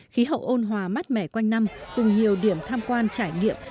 khí hậu ôn hòa mát mẻ quanh năm cùng nhiều điểm tham quan trải nghiệm